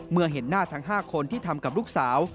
เมื่อเห็นหน้าทั้ง๕คนที่ทำกับลูกสาว